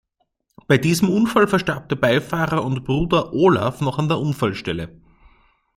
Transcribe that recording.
Bei diesem Unfall verstarb der Beifahrer und Bruder Olaf noch an der Unfallstelle.